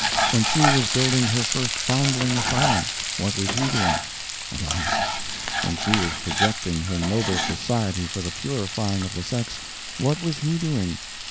When she was building her first foundling asylum, what was he doing? Alas! When she was projecting her noble Society for the Purifying of the Sex, what was he doing?